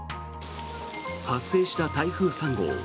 発生した台風３号。